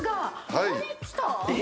ここに来た？